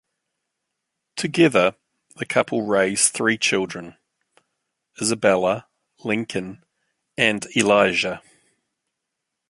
Together, the couple raise three children: Isabella, Lincoln, and Elijah.